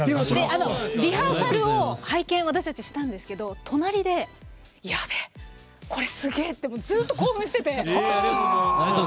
リハーサルを拝見、私たちしたんですけど隣で「やべえ！これ、すげえ！」ってずっと、興奮してて。